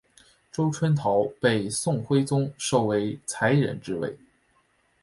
周春桃被宋徽宗授为才人之位。